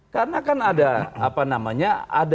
karena kan ada apa namanya